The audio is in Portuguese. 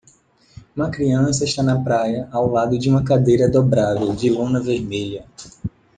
Uma criança está na praia ao lado de uma cadeira dobrável de lona vermelha.